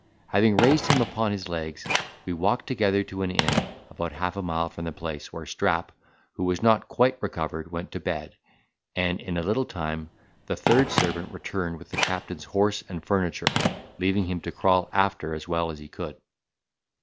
Having raised him upon his legs, we walked together to an inn, about half a mile from the place, where Strap, who was not quite recovered, went to bed; and in a little time the third servant returned with the captain's horse and furniture, leaving him to crawl after as well as he could.